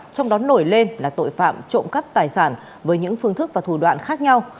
trong đó nổi lên là tội phạm trộm cắp tài sản với những phương thức và thủ đoạn khác nhau